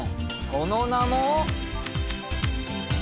その名も。